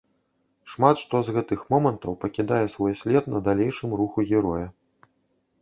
Шмат што з гэтых момантаў пакідае свой след на далейшым руху героя.